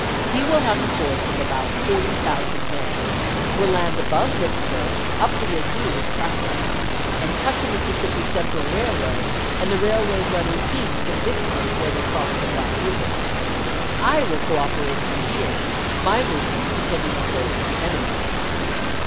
He will have a force of about 40,000 men. Will land above Vicksburg, up the Yazoo, if practicable, and cut the Mississippi Central Eailroad and the rail Grant road running east from Vicksburg where they Decj^ilesL cross the Black Eiver. I will cooperate from here, volxvil, Part I my movements depending on those of the enemy."